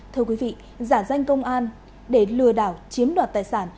thưa quý vị giả danh công an để lừa đảo chiếm đoạt tài sản